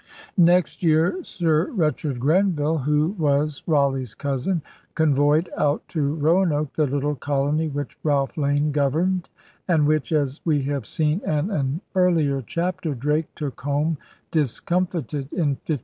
' Next year Sir Richard Grenville, who was THE VISION OF THE WEST 211 Raleigh's cousin, convoyed out to Roanoke the little colony which Ralph Lane governed and which, as we have seen in an earlier chapter, Drake took home discomfited in 1586.